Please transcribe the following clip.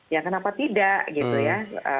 ya kenapa tidak gitu ya